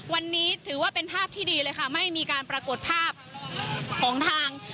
วันนี้ถือว่าเป็นภาพที่ดีเลยค่ะไม่มีการปรากฏภาพของทาง